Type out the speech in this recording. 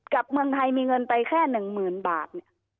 กลับเมืองไทยมีเงินไปแค่หนึ่งหมื่นบาทเนี่ย